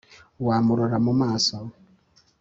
Wamurora mu maso